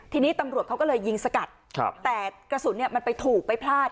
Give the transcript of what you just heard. ทีนี้ตำรวจเขาก็เลยยิงสกัดแต่กระสุนเนี่ยมันไปถูกไปพลาด